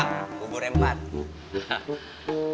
bang bukurnya emang